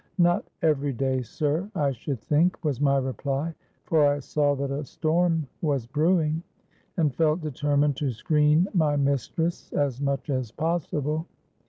'—'Not every day, sir, I should think,' was my reply; for I saw that a storm was brewing, and felt determined to screen my mistress as much as possible.